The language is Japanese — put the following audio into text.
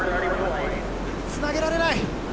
つなげられない。